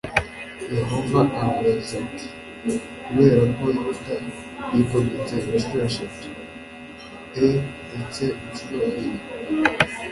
Yehova aravuze ati kubera ko Yuda yigometse incuro eshatu e ndetse incuro enye